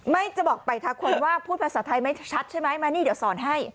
ไม่เจอไปทะควรว่าพูดภาษาไทยไม่ชัดมานี่เดี๋ยวสอนให้